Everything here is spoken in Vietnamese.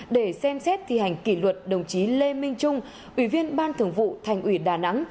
để xem xét thi hành kỷ luật đồng chí lê minh trung ủy viên ban thường vụ thành ủy đà nẵng